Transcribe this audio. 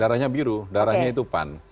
darahnya biru darahnya itu pan